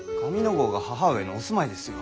郷が母上のお住まいですよ。